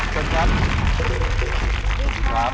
สวัสดีครับ